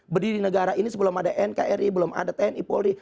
berdiri di negara ini sebelum ada nkri belum ada tni polri